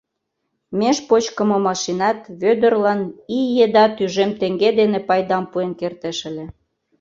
Меж почкымо машинат Вӧдырлан ий еда тӱжем теҥге дене пайдам пуэн кертеш ыле.